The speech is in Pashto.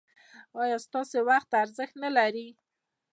ایا ستاسو وخت ارزښت نلري؟